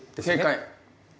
正解。